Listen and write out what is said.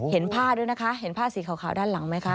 เห็นผ้าด้วยนะคะเห็นผ้าสีขาวด้านหลังไหมคะ